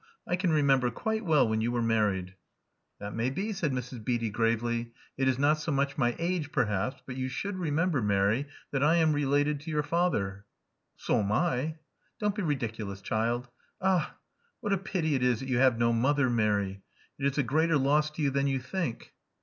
I can remember quite well when you were married." ••That may be," said Mrs. Beatty, gravely. ^•Itis not so much my age, perhaps; but you should remember, Mary, that I am related to your father." '*SoamL" •'Don't be ridiculous, child. Ah, what a pity it is that you have no mother, Mary! It is a greater loss to you than you think."